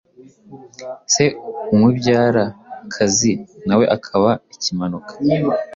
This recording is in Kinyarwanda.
Se umubyara yitwa Kazi ,nawe akaba Ikimanuka,